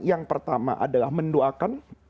yang pertama adalah mendoakan